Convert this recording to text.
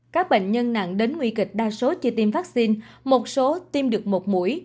các bệnh nhân nặng đến nguy kịch đa số chưa tiêm vaccine một số tiêm được một mũi